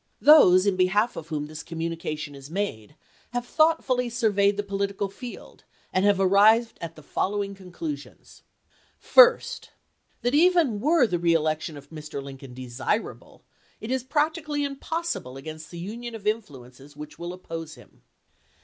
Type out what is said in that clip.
Those in behalf of whom this communication is made have thoughtfully surveyed the political field, and have arrived at the following conclusions : First, that even were the reelection of Mr. Lincoln desirable, it is practically im possible against the union of influences which will oppose him.